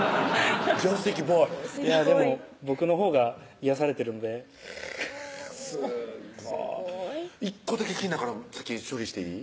浄水器っぽいでも僕のほうが癒やされてるんでへぇすごい１個だけ気になるから先処理していい？